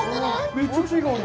めっちゃくちゃいい香り。